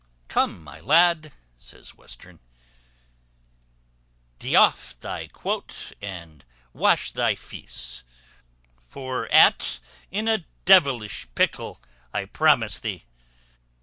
"Come, my lad," says Western, "d'off thy quoat and wash thy feace; for att in a devilish pickle, I promise thee.